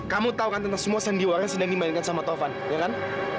kamu tau kan tentang semua sandiwara sedang dimainkan sama taufan ya kan